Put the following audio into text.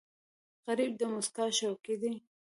غریب د موسکا شوقي دی